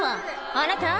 「あなた？